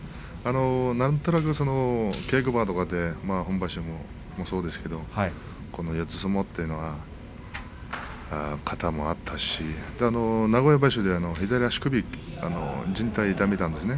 稽古場とかで今場所もそうですけれど四つ相撲というのは型もあったし名古屋場所で左足首じん帯を痛めたんですね。